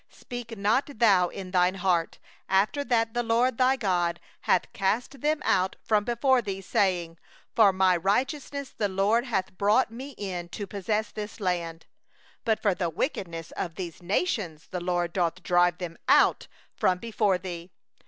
4Speak not thou in thy heart, after that the LORD thy God hath thrust them out from before thee, saying: 'For my righteousness the LORD hath brought me in to possess this land'; whereas for the wickedness of these nations the LORD doth drive them out from before thee.